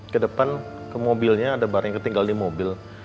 kedepan ke mobilnya ada bar yang ketinggal di mobil